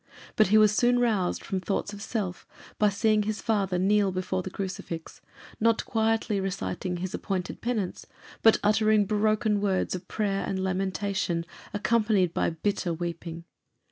But he was soon roused from thoughts of self by seeing his father kneel before the crucifix, not quietly reciting his appointed penance, but uttering broken words of prayer and lamentation, accompanied by bitter weeping.